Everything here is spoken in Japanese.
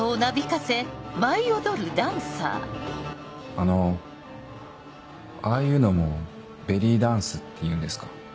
あのああいうのもベリーダンスっていうんですか？